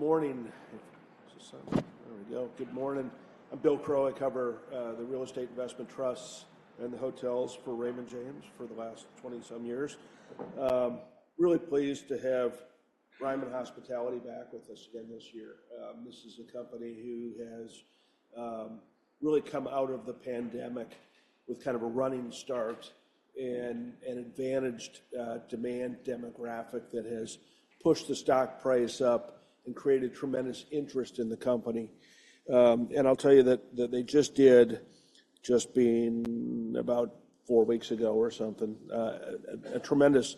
Good morning. There we go. Good morning. I'm Bill Crow. I cover the Real Estate Investment Trusts and the hotels for Raymond James for the last 20-some years. Really pleased to have Ryman Hospitality back with us again this year. This is a company who has really come out of the pandemic with kind of a running start and an advantaged demand demographic that has pushed the stock price up and created tremendous interest in the company. And I'll tell you that they just did, just about 4 weeks ago or something, a tremendous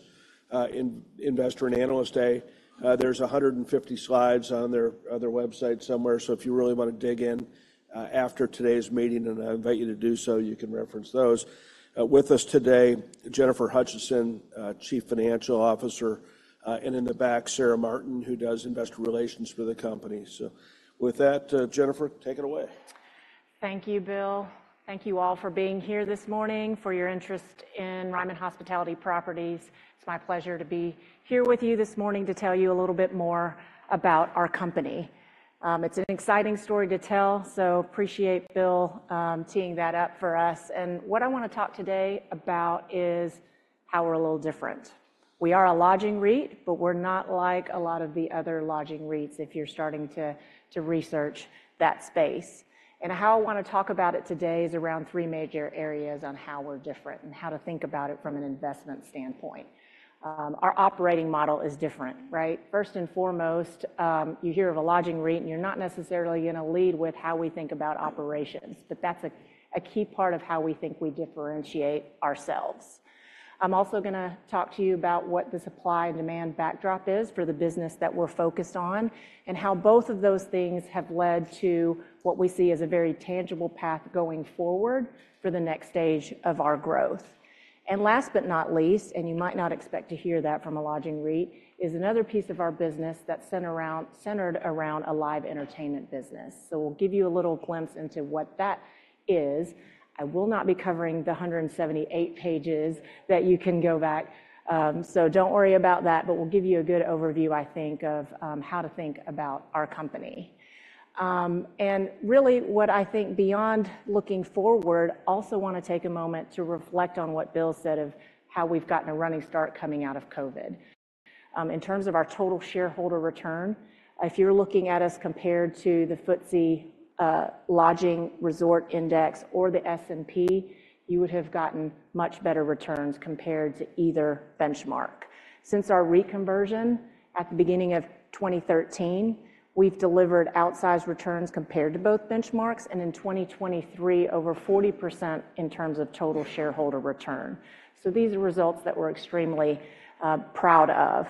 investor and analyst day. There's 150 slides on their website somewhere, so if you really want to dig in, after today's meeting, and I invite you to do so, you can reference those. With us today, Jennifer Hutcheson, Chief Financial Officer, and in the back, Sarah Martin, who does investor relations for the company. With that, Jennifer, take it away. Thank you, Bill. Thank you all for being here this morning, for your interest in Ryman Hospitality Properties. It's my pleasure to be here with you this morning to tell you a little bit more about our company. It's an exciting story to tell, so appreciate, Bill, teeing that up for us. What I want to talk today about is how we're a little different. We are a lodging REIT, but we're not like a lot of the other lodging REITs, if you're starting to research that space. How I want to talk about it today is around three major areas on how we're different and how to think about it from an investment standpoint. Our operating model is different, right? First and foremost, you hear of a lodging REIT, and you're not necessarily going to lead with how we think about operations, but that's a key part of how we think we differentiate ourselves. I'm also going to talk to you about what the supply and demand backdrop is for the business that we're focused on and how both of those things have led to what we see as a very tangible path going forward for the next stage of our growth. Last but not least, and you might not expect to hear that from a lodging REIT, is another piece of our business that's centered around a live entertainment business. So we'll give you a little glimpse into what that is. I will not be covering the 178 pages that you can go back, so don't worry about that, but we'll give you a good overview, I think, of how to think about our company. And really what I think beyond looking forward, also want to take a moment to reflect on what Bill said of how we've gotten a running start coming out of COVID. In terms of our total shareholder return, if you're looking at us compared to the FTSE Nareit Lodging/Resorts Index or the S&P, you would have gotten much better returns compared to either benchmark. Since our REIT conversion at the beginning of 2013, we've delivered outsized returns compared to both benchmarks, and in 2023, over 40% in terms of total shareholder return. So these are results that we're extremely proud of.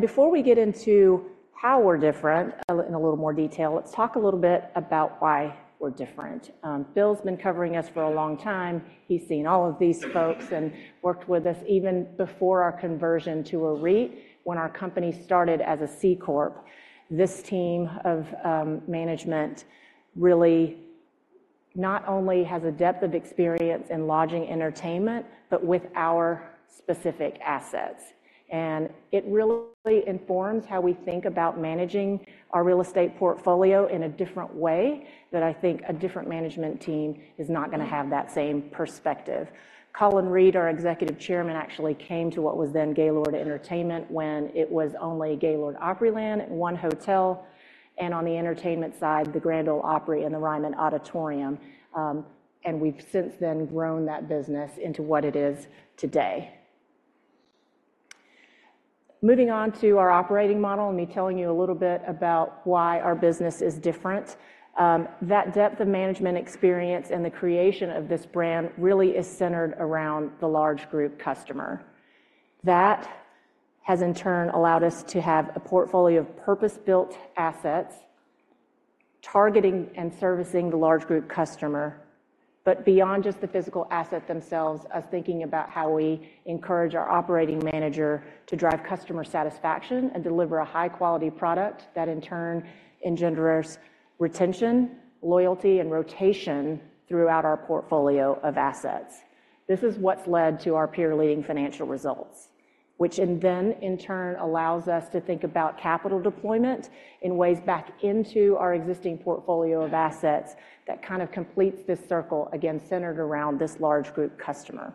Before we get into how we're different in a little more detail, let's talk a little bit about why we're different. Bill's been covering us for a long time. He's seen all of these folks and worked with us even before our conversion to a REIT when our company started as a C Corp. This team of management really not only has a depth of experience in lodging entertainment, but with our specific assets. And it really informs how we think about managing our real estate portfolio in a different way that I think a different management team is not going to have that same perspective. Colin Reed, our Executive Chairman, actually came to what was then Gaylord Entertainment when it was only Gaylord Opryland and one hotel, and on the entertainment side, the Grand Ole Opry and the Ryman Auditorium. We've since then grown that business into what it is today. Moving on to our operating model and me telling you a little bit about why our business is different. That depth of management experience and the creation of this brand really is centered around the large group customer. That has, in turn, allowed us to have a portfolio of purpose-built assets targeting and servicing the large group customer, but beyond just the physical asset themselves, us thinking about how we encourage our operating manager to drive customer satisfaction and deliver a high-quality product that, in turn, engenders retention, loyalty, and rotation throughout our portfolio of assets. This is what's led to our peer-leading financial results, which then, in turn, allows us to think about capital deployment in ways back into our existing portfolio of assets that kind of completes this circle, again, centered around this large group customer.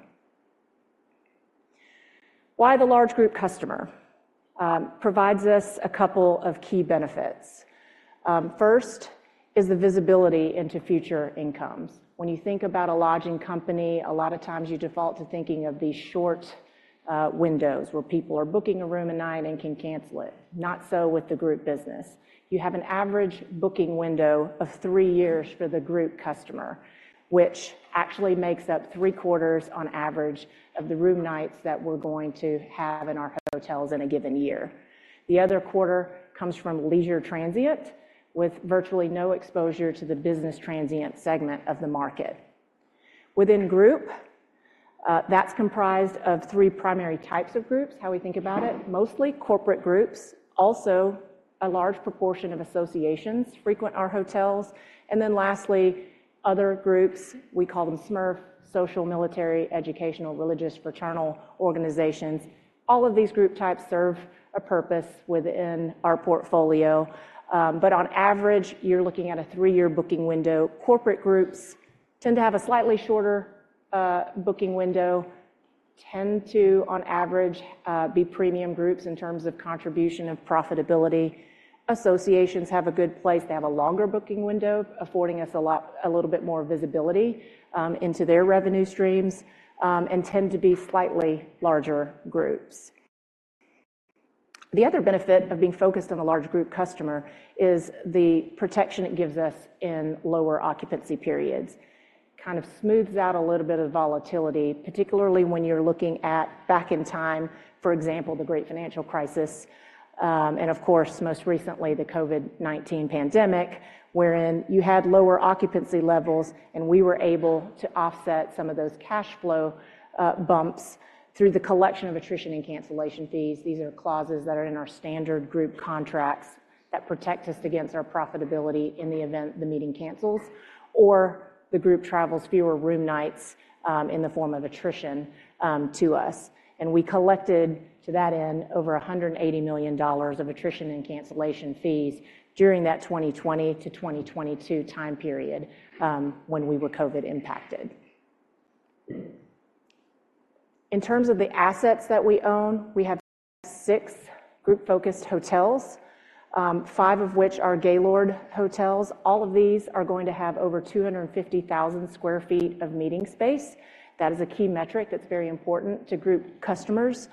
Why the large group customer provides us a couple of key benefits. First is the visibility into future incomes. When you think about a lodging company, a lot of times you default to thinking of these short windows where people are booking a room a night and can cancel it. Not so with the group business. You have an average booking window of 3 years for the group customer, which actually makes up three-quarters on average of the room nights that we're going to have in our hotels in a given year. The other quarter comes from leisure transient with virtually no exposure to the business transient segment of the market. Within group, that's comprised of three primary types of groups, how we think about it, mostly corporate groups, also a large proportion of associations frequent our hotels, and then lastly, other groups, we call them SMRF, social, military, educational, religious, fraternal organizations. All of these group types serve a purpose within our portfolio. But on average, you're looking at a three-year booking window. Corporate groups tend to have a slightly shorter, booking window, tend to, on average, be premium groups in terms of contribution of profitability. Associations have a good place. They have a longer booking window, affording us a lot, a little bit more visibility, into their revenue streams, and tend to be slightly larger groups. The other benefit of being focused on the large group customer is the protection it gives us in lower occupancy periods. Kind of smooths out a little bit of volatility, particularly when you're looking at back in time, for example, the Great Financial Crisis, and of course, most recently, the COVID-19 pandemic, wherein you had lower occupancy levels and we were able to offset some of those cash flow bumps through the collection of attrition and cancellation fees. These are clauses that are in our standard group contracts that protect us against our profitability in the event the meeting cancels or the group travels fewer room nights, in the form of attrition, to us. We collected to that end over $180 million of attrition and cancellation fees during that 2020 to 2022 time period, when we were COVID-impacted. In terms of the assets that we own, we have six group-focused hotels, five of which are Gaylord hotels. All of these are going to have over 250,000 sq ft of meeting space. That is a key metric that's very important to group customers.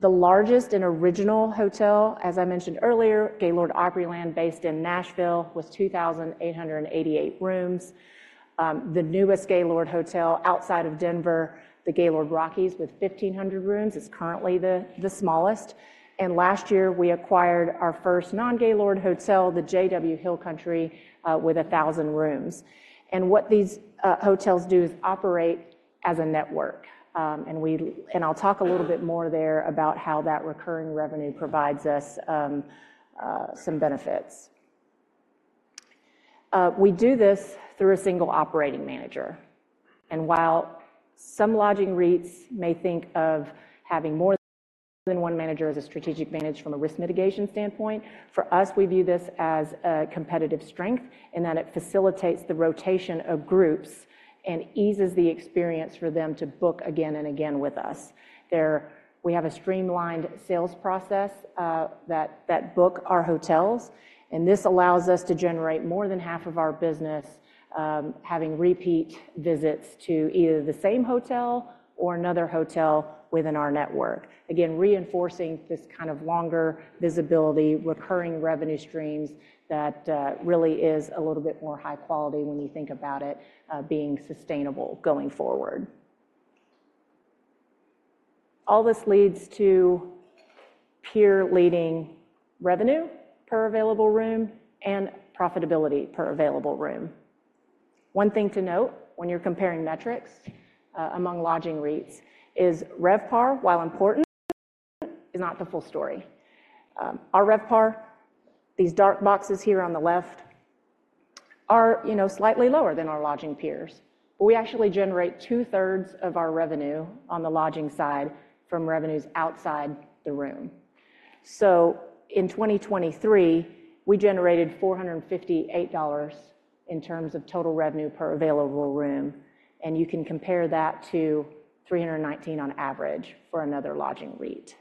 The largest and original hotel, as I mentioned earlier, Gaylord Opryland based in Nashville, was 2,888 rooms. The newest Gaylord hotel outside of Denver, the Gaylord Rockies with 1,500 rooms, is currently the smallest. Last year, we acquired our first non-Gaylord hotel, the JW Hill Country, with 1,000 rooms. What these hotels do is operate as a network, and we'll talk a little bit more there about how that recurring revenue provides us some benefits. We do this through a single operating manager. And while some lodging REITs may think of having more than one manager as a strategic advantage from a risk mitigation standpoint, for us, we view this as a competitive strength in that it facilitates the rotation of groups and eases the experience for them to book again and again with us. There, we have a streamlined sales process that books our hotels. And this allows us to generate more than half of our business, having repeat visits to either the same hotel or another hotel within our network. Again, reinforcing this kind of longer visibility, recurring revenue streams that really is a little bit more high quality when you think about it, being sustainable going forward. All this leads to peer-leading revenue per available room and profitability per available room. One thing to note when you're comparing metrics among lodging REITs is RevPAR, while important, is not the full story. Our RevPAR, these dark boxes here on the left, are, you know, slightly lower than our lodging peers, but we actually generate two-thirds of our revenue on the lodging side from revenues outside the room. So in 2023, we generated $458 in terms of total revenue per available room. And you can compare that to $319 on average for another lodging REIT.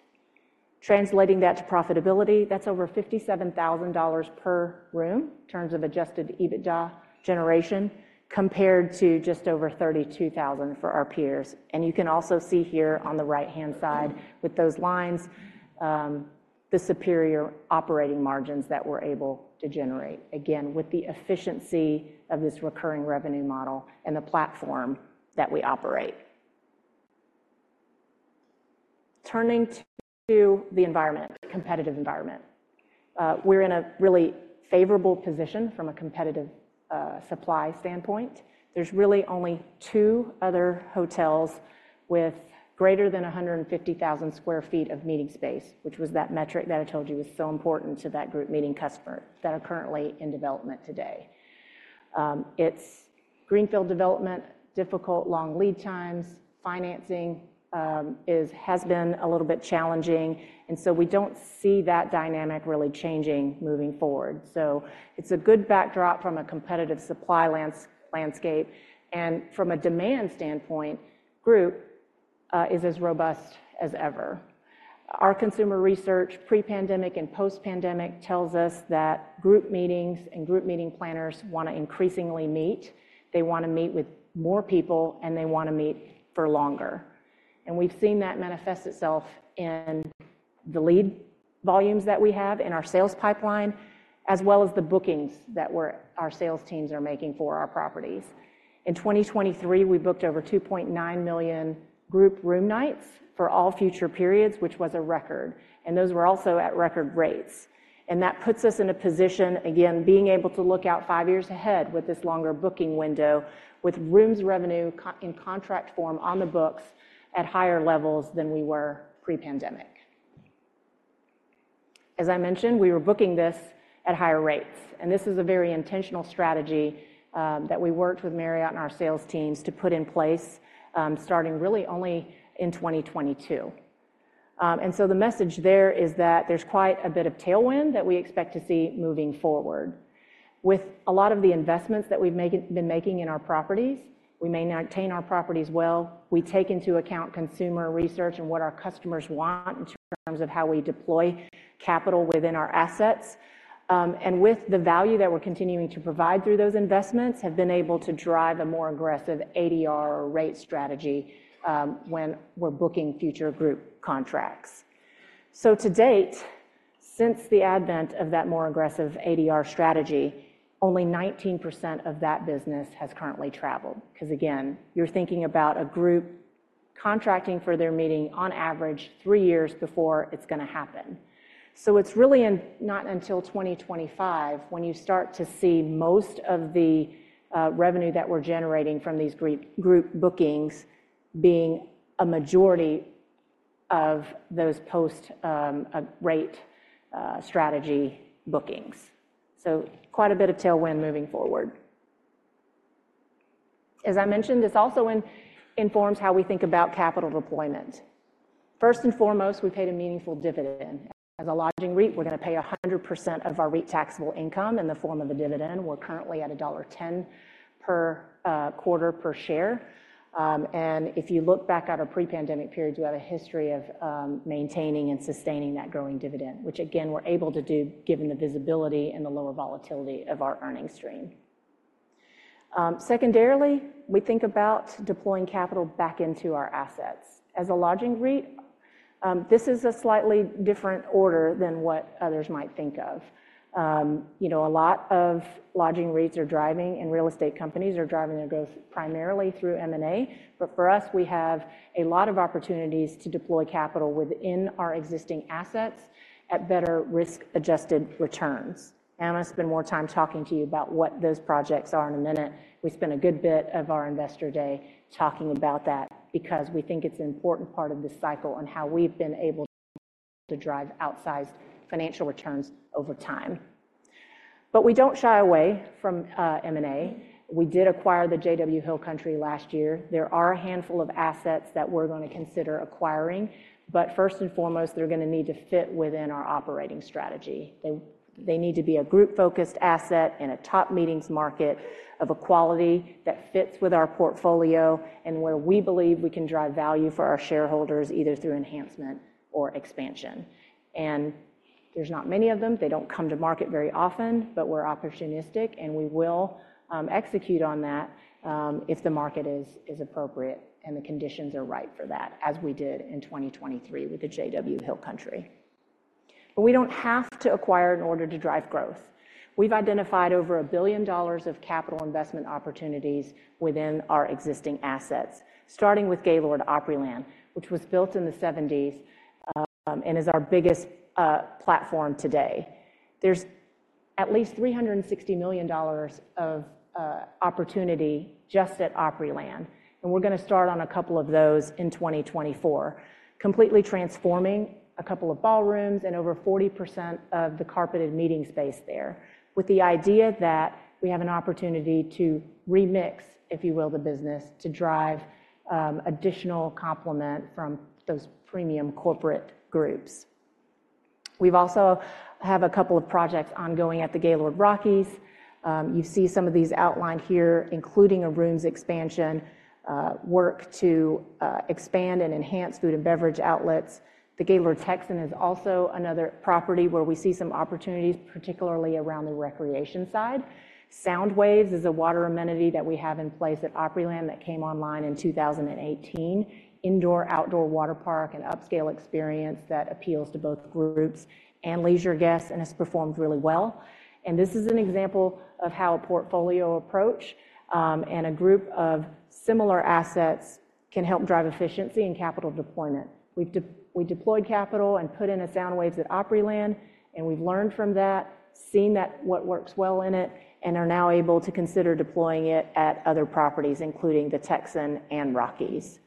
Translating that to profitability, that's over $57,000 per room in terms of Adjusted EBITDA generation compared to just over $32,000 for our peers. And you can also see here on the right-hand side with those lines, the superior operating margins that we're able to generate, again, with the efficiency of this recurring revenue model and the platform that we operate. Turning to the environment, competitive environment. We're in a really favorable position from a competitive, supply standpoint. There's really only two other hotels with greater than 150,000 sq ft of meeting space, which was that metric that I told you was so important to that group meeting customer that are currently in development today. It's greenfield development, difficult, long lead times. Financing has been a little bit challenging. And so we don't see that dynamic really changing moving forward. So it's a good backdrop from a competitive supply landscape. And from a demand standpoint, group is as robust as ever. Our consumer research pre-pandemic and post-pandemic tells us that group meetings and group meeting planners want to increasingly meet. They want to meet with more people, and they want to meet for longer. We've seen that manifest itself in the lead volumes that we have in our sales pipeline, as well as the bookings that our sales teams are making for our properties. In 2023, we booked over 2.9 million group room nights for all future periods, which was a record. Those were also at record rates. That puts us in a position, again, being able to look out five years ahead with this longer booking window, with rooms revenue in contract form on the books at higher levels than we were pre-pandemic. As I mentioned, we were booking this at higher rates. This is a very intentional strategy that we worked with Marriott and our sales teams to put in place, starting really only in 2022. So the message there is that there's quite a bit of tailwind that we expect to see moving forward. With a lot of the investments that we've been making in our properties, we maintain our properties well. We take into account consumer research and what our customers want in terms of how we deploy capital within our assets. With the value that we're continuing to provide through those investments, have been able to drive a more aggressive ADR or rate strategy, when we're booking future group contracts. So to date, since the advent of that more aggressive ADR strategy, only 19% of that business has currently traveled. Because again, you're thinking about a group contracting for their meeting on average three years before it's going to happen. So it's really not until 2025 when you start to see most of the revenue that we're generating from these group bookings being a majority of those post-rate strategy bookings. So quite a bit of tailwind moving forward. As I mentioned, this also informs how we think about capital deployment. First and foremost, we paid a meaningful dividend. As a lodging REIT, we're going to pay 100% of our REIT taxable income in the form of a dividend. We're currently at $1.10 per quarter per share. And if you look back at our pre-pandemic periods, we have a history of maintaining and sustaining that growing dividend, which again, we're able to do given the visibility and the lower volatility of our earnings stream. Secondarily, we think about deploying capital back into our assets. As a lodging REIT, this is a slightly different order than what others might think of. You know, a lot of lodging REITs are driving and real estate companies are driving their growth primarily through M&A. But for us, we have a lot of opportunities to deploy capital within our existing assets at better risk-adjusted returns. I'm going to spend more time talking to you about what those projects are in a minute. We spent a good bit of our investor day talking about that because we think it's an important part of this cycle and how we've been able to drive outsized financial returns over time. But we don't shy away from M&A. We did acquire the JW Hill Country last year. There are a handful of assets that we're going to consider acquiring. But first and foremost, they're going to need to fit within our operating strategy. They need to be a group-focused asset in a top meetings market of a quality that fits with our portfolio and where we believe we can drive value for our shareholders either through enhancement or expansion. And there's not many of them. They don't come to market very often, but we're opportunistic and we will execute on that, if the market is appropriate and the conditions are right for that, as we did in 2023 with the JW Hill Country. But we don't have to acquire in order to drive growth. We've identified over $1 billion of capital investment opportunities within our existing assets, starting with Gaylord Opryland, which was built in the 1970s, and is our biggest platform today. There's at least $360 million of opportunity just at Opryland. And we're going to start on a couple of those in 2024, completely transforming a couple of ballrooms and over 40% of the carpeted meeting space there with the idea that we have an opportunity to remix, if you will, the business to drive additional complement from those premium corporate groups. We also have a couple of projects ongoing at the Gaylord Rockies. You see some of these outlined here, including a rooms expansion, work to expand and enhance food and beverage outlets. The Gaylord Texan is also another property where we see some opportunities, particularly around the recreation side. SoundWaves is a water amenity that we have in place at Opryland that came online in 2018, indoor-outdoor waterpark and upscale experience that appeals to both groups and leisure guests and has performed really well. And this is an example of how a portfolio approach and a group of similar assets can help drive efficiency and capital deployment. We've deployed capital and put in a SoundWaves at Opryland, and we've learned from that, seen that what works well in it, and are now able to consider deploying it at other properties, including the Texan and Rockies.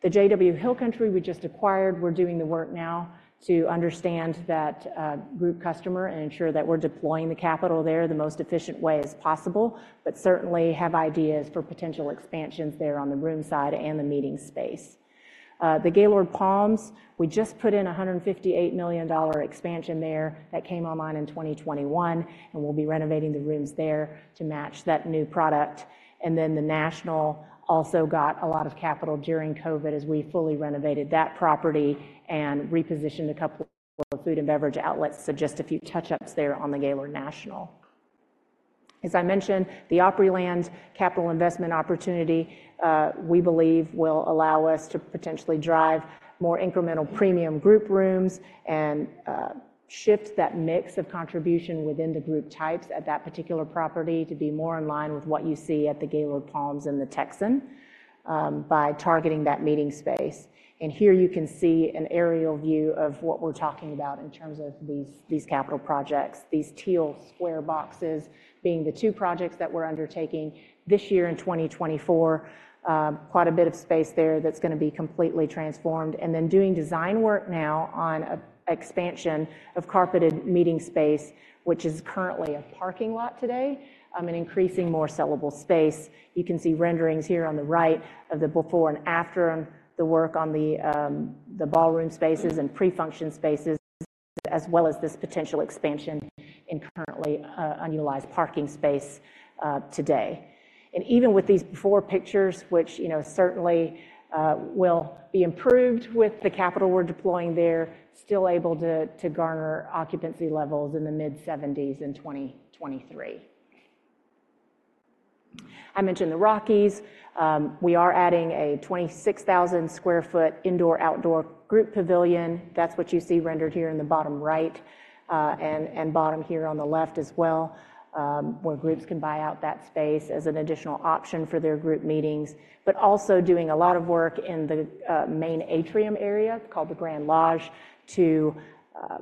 The JW Hill Country we just acquired, we're doing the work now to understand that group customer and ensure that we're deploying the capital there the most efficient way as possible, but certainly have ideas for potential expansions there on the room side and the meeting space. The Gaylord Palms, we just put in a $158 million expansion there that came online in 2021, and we'll be renovating the rooms there to match that new product. Then the National also got a lot of capital during COVID as we fully renovated that property and repositioned a couple of food and beverage outlets. Just a few touch-ups there on the Gaylord National. As I mentioned, the Opryland capital investment opportunity, we believe will allow us to potentially drive more incremental premium group rooms and shift that mix of contribution within the group types at that particular property to be more in line with what you see at the Gaylord Palms and the Texan, by targeting that meeting space. Here you can see an aerial view of what we're talking about in terms of these, these capital projects, these teal square boxes being the two projects that we're undertaking this year in 2024. Quite a bit of space there that's going to be completely transformed. Then doing design work now on an expansion of carpeted meeting space, which is currently a parking lot today, and increasing more sellable space. You can see renderings here on the right of the before and after the work on the ballroom spaces and pre-function spaces, as well as this potential expansion in currently unutilized parking space today. Even with these four pictures, which, you know, certainly will be improved with the capital we're deploying there, still able to garner occupancy levels in the mid-70s in 2023. I mentioned the Rockies. We are adding a 26,000 sq ft indoor-outdoor group pavilion. That's what you see rendered here in the bottom right, and bottom here on the left as well, where groups can buy out that space as an additional option for their group meetings, but also doing a lot of work in the main atrium area called the Grand Lodge to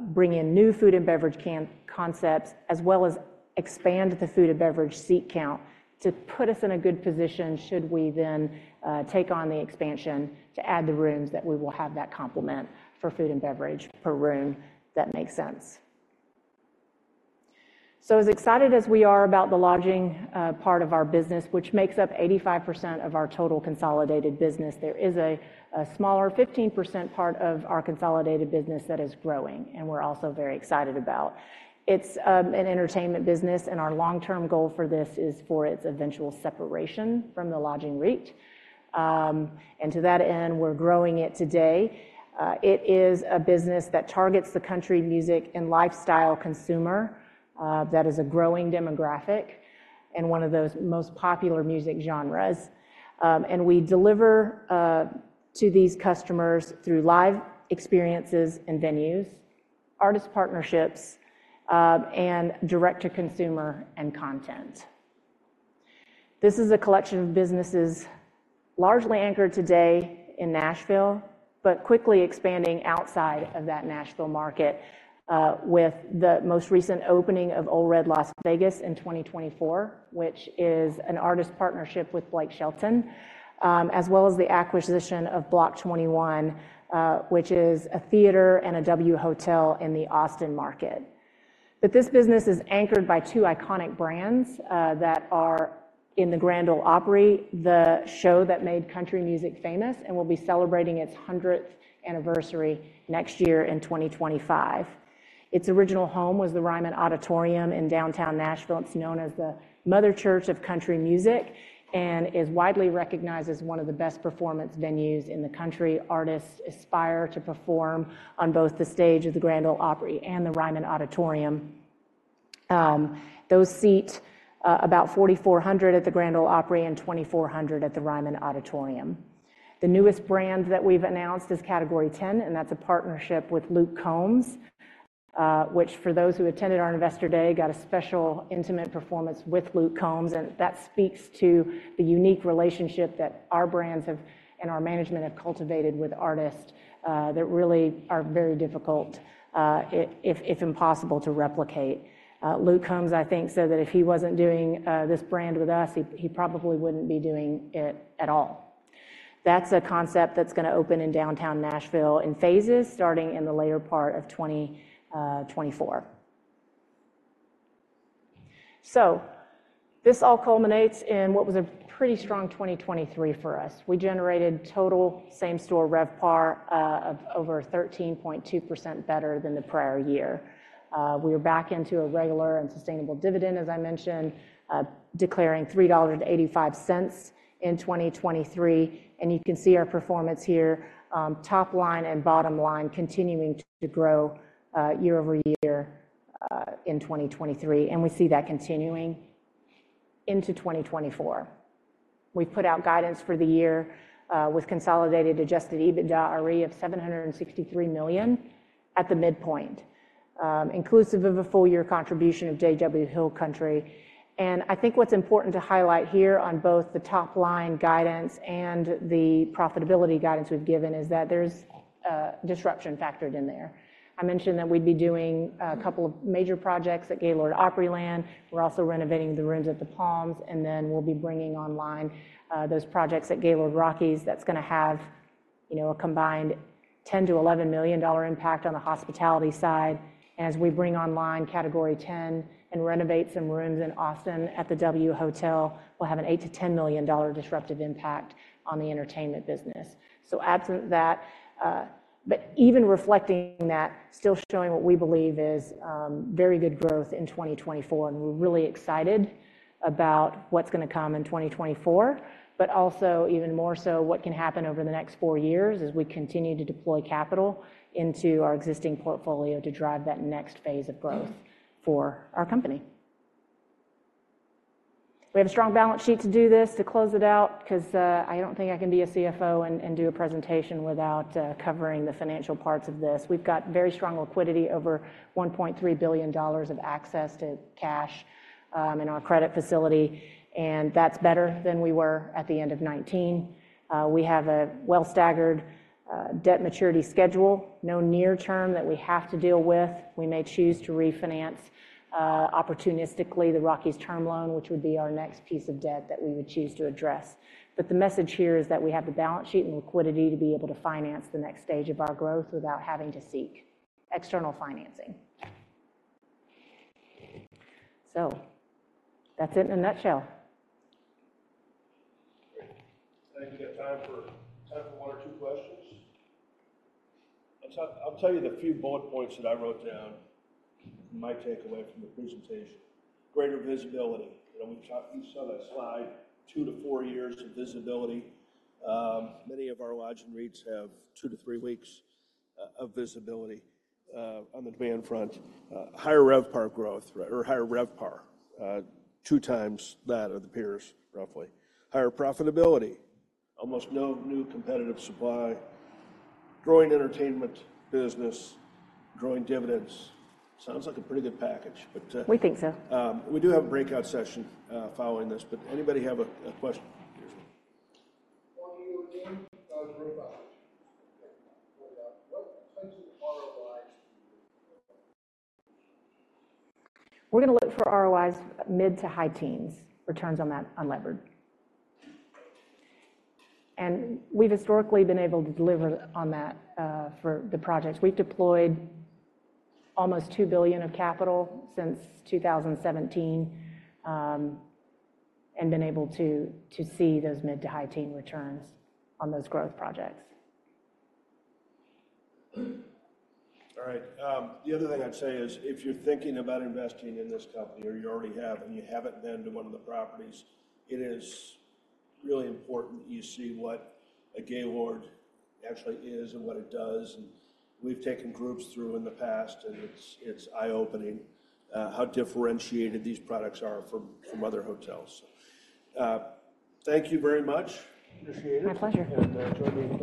bring in new food and beverage concepts, as well as expand the food and beverage seat count to put us in a good position should we then take on the expansion to add the rooms that we will have that complement for food and beverage per room. That makes sense. So as excited as we are about the lodging part of our business, which makes up 85% of our total consolidated business, there is a smaller 15% part of our consolidated business that is growing, and we're also very excited about. It's an entertainment business, and our long-term goal for this is for its eventual separation from the lodging REIT. And to that end, we're growing it today. It is a business that targets the country music and lifestyle consumer, that is a growing demographic and one of those most popular music genres. And we deliver to these customers through live experiences and venues, artist partnerships, and direct-to-consumer content. This is a collection of businesses largely anchored today in Nashville, but quickly expanding outside of that Nashville market, with the most recent opening of Ole Red Las Vegas in 2024, which is an artist partnership with Blake Shelton, as well as the acquisition of Block 21, which is a theater and a W Hotel in the Austin market. But this business is anchored by two iconic brands, that are in the Grand Ole Opry, the show that made country music famous, and will be celebrating its 100th anniversary next year in 2025. Its original home was the Ryman Auditorium in downtown Nashville. It's known as the Mother Church of Country Music and is widely recognized as one of the best performance venues in the country. Artists aspire to perform on both the stage of the Grand Ole Opry and the Ryman Auditorium. Those seat about 4,400 at the Grand Ole Opry and 2,400 at the Ryman Auditorium. The newest brand that we've announced is Category 10, and that's a partnership with Luke Combs, which for those who attended our investor day, got a special intimate performance with Luke Combs. That speaks to the unique relationship that our brands have and our management have cultivated with artists that really are very difficult, if impossible, to replicate. Luke Combs, I think, said that if he wasn't doing this brand with us, he probably wouldn't be doing it at all. That's a concept that's going to open in downtown Nashville in phases starting in the later part of 2024. So this all culminates in what was a pretty strong 2023 for us. We generated total same-store RevPAR of over 13.2% better than the prior year. We were back into a regular and sustainable dividend, as I mentioned, declaring $3.85 in 2023. And you can see our performance here, top line and bottom line continuing to grow, year-over-year, in 2023. And we see that continuing into 2024. We've put out guidance for the year, with consolidated Adjusted EBITDAre of $763 million at the midpoint, inclusive of a full-year contribution of JW Hill Country. And I think what's important to highlight here on both the top line guidance and the profitability guidance we've given is that there's disruption factored in there. I mentioned that we'd be doing a couple of major projects at Gaylord Opryland. We're also renovating the rooms at the Palms, and then we'll be bringing online those projects at Gaylord Rockies. That's going to have, you know, a combined $10-$11 million impact on the hospitality side. And as we bring online Category 10 and renovate some rooms in Austin at the W Hotel, we'll have an $8-$10 million disruptive impact on the entertainment business. So absent that, but even reflecting that, still showing what we believe is very good growth in 2024. And we're really excited about what's going to come in 2024, but also even more so what can happen over the next four years as we continue to deploy capital into our existing portfolio to drive that next phase of growth for our company. We have a strong balance sheet to do this, to close it out, because I don't think I can be a CFO and do a presentation without covering the financial parts of this. We've got very strong liquidity over $1.3 billion of access to cash in our credit facility, and that's better than we were at the end of 2019. We have a well-staggered debt maturity schedule, no near-term that we have to deal with. We may choose to refinance, opportunistically the Rockies term loan, which would be our next piece of debt that we would choose to address. But the message here is that we have the balance sheet and liquidity to be able to finance the next stage of our growth without having to seek external financing. So that's it in a nutshell. Thank you. I think we have time for one or two questions. I'll tell you the few bullet points that I wrote down, my takeaway from the presentation. Greater visibility. You saw that slide, 2-4 years of visibility. Many of our lodging REITs have 2-3 weeks of visibility on the demand front. Higher RevPAR growth, right, or higher RevPAR, 2 times that of the peers, roughly. Higher profitability, almost no new competitive supply, growing entertainment business, growing dividends. Sounds like a pretty good package, but we think so. We do have a breakout session following this, but anybody have a question? We're going to look for ROIs mid- to high-teens, returns on that unlevered. And we've historically been able to deliver on that for the projects. We've deployed almost $2 billion of capital since 2017 and been able to see those mid- to high-teens returns on those growth projects. All right. The other thing I'd say is if you're thinking about investing in this company or you already have and you haven't been to one of the properties, it is really important that you see what a Gaylord actually is and what it does. And we've taken groups through in the past, and it's eye-opening how differentiated these products are from other hotels. Thank you very much. Appreciate it. My pleasure.